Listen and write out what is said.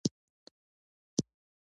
ته په یوې چټکۍ له موټره راښکته شوې.